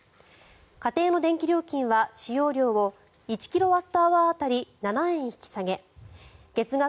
家庭の電気料金は使用料を１キロアットアワー当たり７円引き下げ月額